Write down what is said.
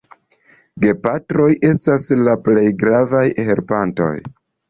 Gepatroj estas la plej gravaj helpantoj.